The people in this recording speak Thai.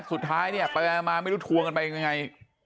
สุดท้ายเนี่ยไปมาไม่รู้ทวงกันไปยังไง